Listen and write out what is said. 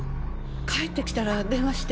帰って来たら電話して。